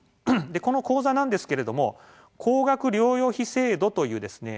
この口座なんですけれども高額療養費制度というですね